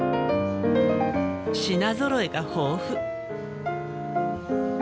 品ぞろえが豊富。